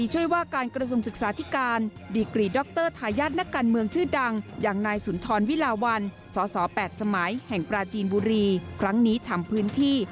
แห่งปลาจีนบุรีครั้งนี้ทำพื้นที่